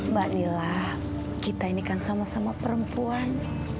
mbak nila kita ini kan sama sama perempuan